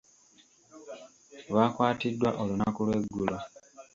Baakwatiddwa olunaku lweggulo.